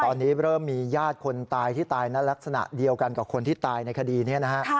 ตอนนี้เริ่มมีญาติคนตายที่ตายในลักษณะเดียวกันกับคนที่ตายในคดีนี้นะฮะ